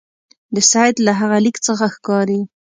د سید له هغه لیک څخه ښکاري.